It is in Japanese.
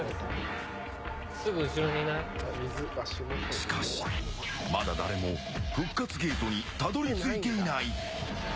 しかし、まだ誰も復活ゲートにたどり着いていない。